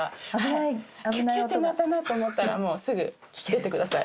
キュキュッて鳴ったなと思ったらもうすぐ出てください。